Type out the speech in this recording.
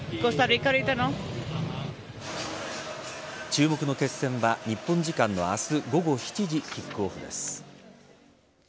注目の決戦は日本時間の明日午後７時キックオフです。